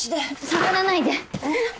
触らないで。